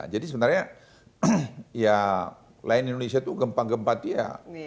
jadi sebenarnya ya lain indonesia itu gempa gempat ya